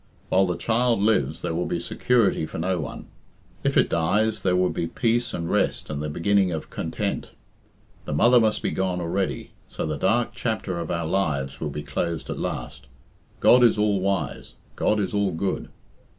While the child lives there will be security for no one. If it dies, there will be peace and rest and the beginning of content. The mother must be gone already, so the dark chapter of our lives will be closed at last God is all wise. God is all good."